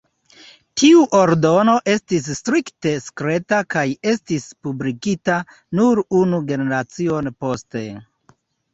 Tiu ordono estis strikte sekreta kaj estis publikigita nur unu generacion poste.